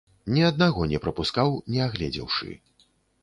Ні аднаго не прапускаў, не агледзеўшы.